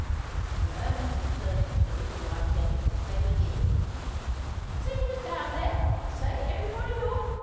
And the moment we turn into the little white gate, they begin. "See who's down there? I say, everybody, look!